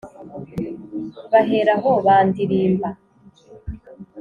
Bahera aho bandirimba